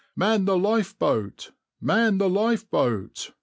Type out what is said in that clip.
"Man the lifeboat! man the lifeboat!"